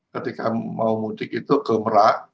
ketika mau mudik itu ke merak